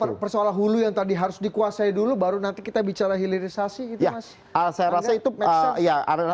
kalau persoalan hulu yang tadi harus dikuasai dulu baru nanti kita bicara hilirisasi gitu mas